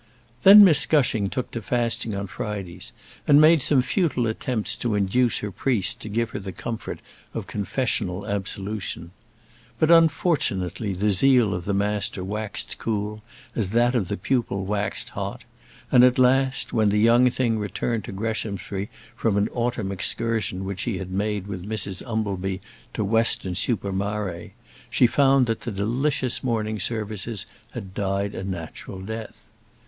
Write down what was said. Then Miss Gushing took to fasting on Fridays, and made some futile attempts to induce her priest to give her the comfort of confessional absolution. But, unfortunately, the zeal of the master waxed cool as that of the pupil waxed hot; and, at last, when the young thing returned to Greshamsbury from an autumn excursion which she had made with Mrs Umbleby to Weston super Mare, she found that the delicious morning services had died a natural death.